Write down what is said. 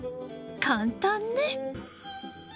簡単ね。